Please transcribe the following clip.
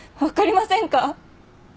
分かりませんか？